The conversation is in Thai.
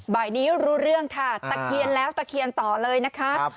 บ่ายนี้รู้เรื่องค่ะตะเคียนแล้วตะเคียนต่อเลยนะคะ